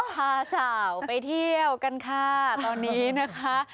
พาสาวไปเที่ยวกันค่ะตอนนี้นะคะ